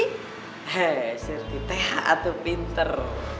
bishurti teha atau pinter